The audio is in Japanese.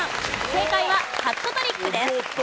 正解はハットトリックです。